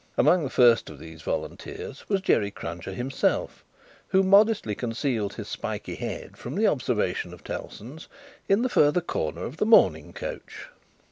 Among the first of these volunteers was Jerry Cruncher himself, who modestly concealed his spiky head from the observation of Tellson's, in the further corner of the mourning coach.